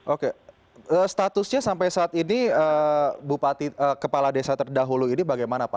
oke statusnya sampai saat ini bupati kepala desa terdahulu ini bagaimana pak